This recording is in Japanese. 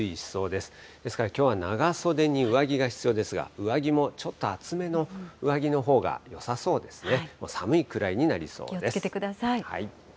ですからきょうは長袖に上着が必要ですが、上着も、ちょっと厚めの上着のほうがよさそうですね。